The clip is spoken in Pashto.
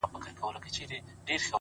د زړه نرمي انسان محبوبوي،